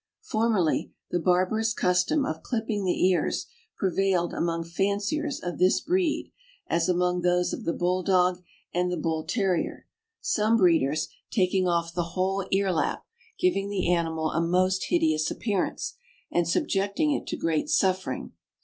Formerly, the barbarous custom of clipping the ears prevailed among fanciers of this breed, as among those of the Bulldog and the Bull Terrier, some breeders taking off (607) 608 THE AMERICAN BOOK OF THE DOG. the whole ear lap, giving the animal a most hideous appearance, and subjecting it to great suffering.